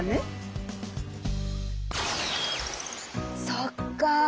そっか。